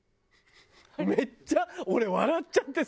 めっちゃ俺笑っちゃってさ。